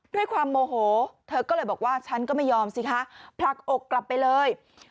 ด้วยความโมโหเธอก็เลยบอกว่าฉันก็ไม่ยอมสิคะผลักอกกลับไปเลย